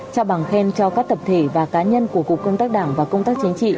trao bằng khen cho các tập thể và cá nhân của cục công tác đảng và công tác chính trị